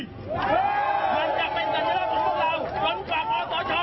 มันจะเป็นสัญลักษณ์ของพวกเรา